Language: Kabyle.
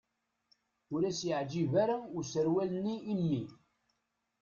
Ur as-yeɛǧib ara userwal-nni i mmi.